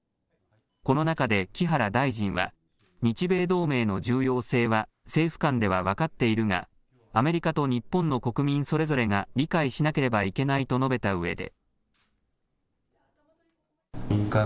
この中で木原大臣は日米同盟の重要性は政府間では分かっているがアメリカと日本の国民それぞれが理解しなければいけないと述べたうえで。